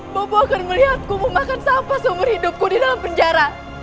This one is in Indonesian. bobo akan melihatku memakan sampah seumur hidupku di dalam penjara